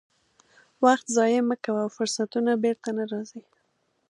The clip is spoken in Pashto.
وخت ضایع مه کوه، فرصتونه بیرته نه راځي.